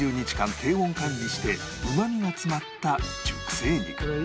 低温管理してうまみが詰まった熟成肉